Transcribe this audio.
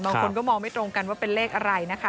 บางคนก็มองไม่ตรงกันว่าเป็นเลขอะไรนะคะ